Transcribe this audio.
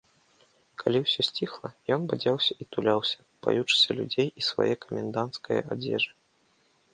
Калі ўсё сціхла, ён бадзяўся і туляўся, баючыся людзей і свае каменданцкае адзежы.